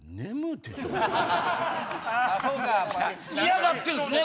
嫌がってんすね